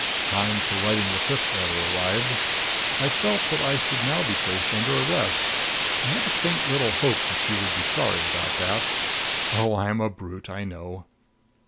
Time for writing the fifth letter arrived. I felt that I should now be placed under arrest. I had a faint little hope that you would be sorry about that. Oh, I'm a brute, I know!